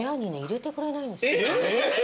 えっ？